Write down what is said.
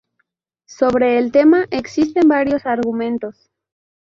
Sobre el tema existen varios argumentos.